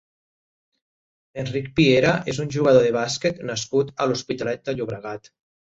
Enric Piera és un jugador de bàsquet nascut a l'Hospitalet de Llobregat.